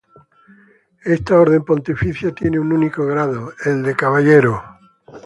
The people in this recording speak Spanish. Esta orden pontificia tiene un único grado, el de Caballero.